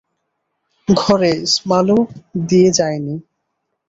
ঘরে স্মালো দিয়ে যায় নি।